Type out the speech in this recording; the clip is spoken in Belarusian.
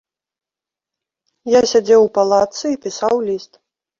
Я сядзеў у палатцы і пісаў ліст.